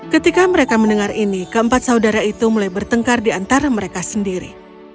ketika mereka mendengar ini keempat saudara itu mulai bertengkar di antara mereka sendiri